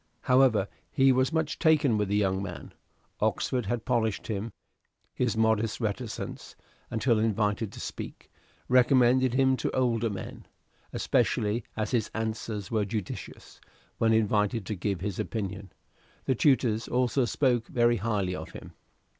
However, he was much taken with the young man. Oxford had polished him. His modest reticence, until invited to speak, recommended him to older men, especially as his answers were judicious, when invited to give his opinion. The tutors also spoke very highly of him.